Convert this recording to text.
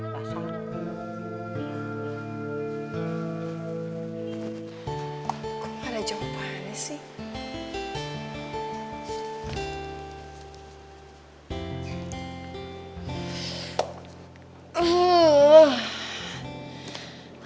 kok gak ada jawabannya sih